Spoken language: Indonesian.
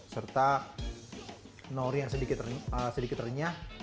serta nori yang sedikit renyah